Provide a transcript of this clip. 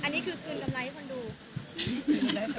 อันนี้คือคืนกำไรให้คนดู